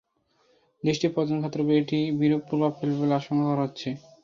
দেশটির পর্যটন খাতের ওপর এটি বিরূপ প্রভাব ফেলবে বলে আশঙ্কা করা হচ্ছে।